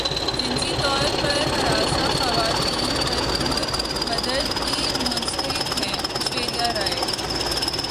جنسی طور پر ہراساں خواتین بھرپور مدد کی مستحق ہیں ایشوریا رائے